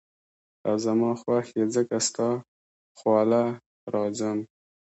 او زما خوښ ئې ځکه ستا خواله راځم ـ